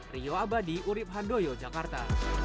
rio abadi urib handoyo jakarta